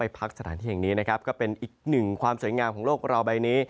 พักสถานที่แห่งนี้นะครับก็เป็นอีกหนึ่งความสวยงามของโลกเราใบนี้